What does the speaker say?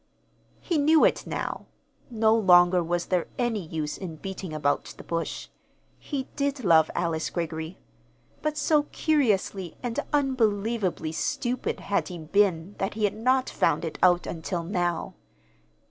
He knew it now. No longer was there any use in beating about the bush. He did love Alice Greggory; but so curiously and unbelievably stupid had he been that he had not found it out until now.